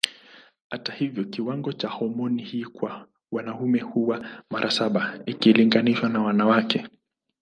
Hata hivyo kiwango cha homoni hii kwa wanaume huwa mara saba ikilinganishwa na wanawake.